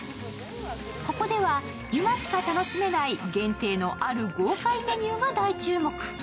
ここでは今しか楽しめない限定の、ある豪快メニューが大注目。